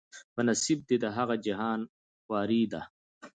په نصیب دي د هغه جهان خواري ده